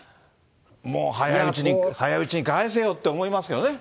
もう早いうちに、早いうちに返せよって思いますけどね。